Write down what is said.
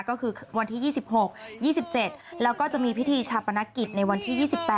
ก็คือวันที่๒๖๒๗แล้วก็จะมีพิธีชาปนกิจในวันที่๒๘